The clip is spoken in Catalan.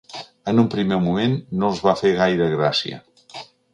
En un primer moment no els va fer gaire gràcia.